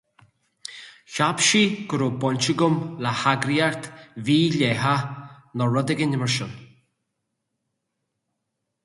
Cheap sí go raibh baint agam le heagraíocht mhídhleathach nó rud éigin mar sin!